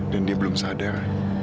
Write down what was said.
dan dia belum sadar